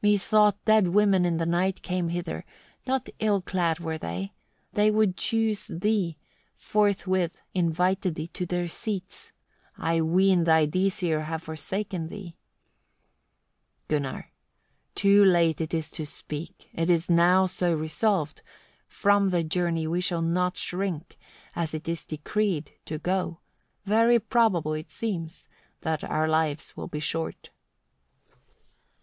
26. "Methought dead women in the night came hither; not ill clad were they: they would choose thee, forthwith invited thee to their seats. I ween thy Disir have forsaken thee." Gunnar. 27. "Too late it is to speak, it is now so resolved; from the journey we shall not shrink, as it is decreed to go: very probable it seems that our lives will be short."